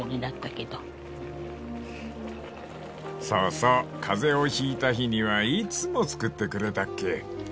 ［そうそう風邪をひいた日にはいつも作ってくれたっけ］